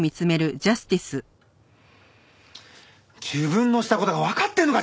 自分のした事がわかってるのか！？